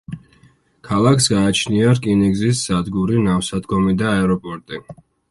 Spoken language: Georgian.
ქალაქს გააჩნია რკინიგზის სადგური, ნავსადგომი და აეროპორტი.